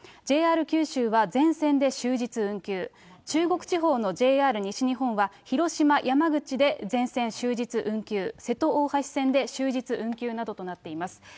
ＪＲ九州は、全線で終日運休、中国地方のＪＲ西日本は広島、山口で全線終日運休、瀬戸大橋線で終日運休などとなっています。